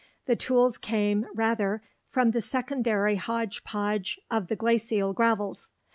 The tools came, rather, from the secondary hodge podge of the glacial gravels.